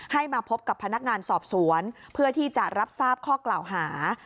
มาพบกับพนักงานสอบสวนเพื่อที่จะรับทราบข้อกล่าวหา